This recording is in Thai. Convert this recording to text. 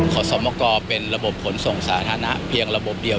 ขอสมกรเป็นระบบขนส่งสาธารณะเพียงระบบเดียว